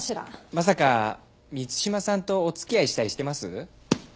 まさか満島さんとお付き合いしたりしてます？